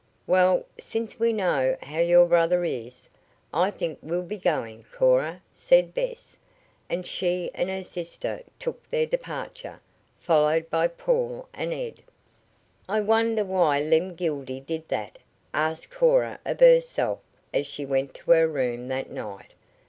"Well, since we know how your brother is, I think we'll be going, Cora," said Bess, and she and her sister took their departure, followed by Paul and Ed. "I wonder why Lem Gildy did that?" asked Cora of herself as she went to her room that night.